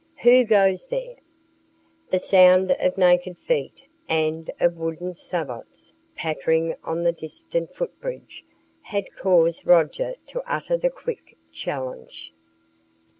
"Who goes there?" The sound of naked feet and of wooden sabots pattering on the distant footbridge had caused Roger to utter the quick challenge.